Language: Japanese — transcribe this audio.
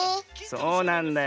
そうなんだよ。